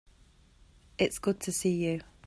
It's good to see you.